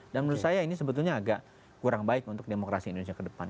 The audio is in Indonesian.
dan menurut saya ini sebetulnya agak kurang baik untuk demokrasi indonesia ke depan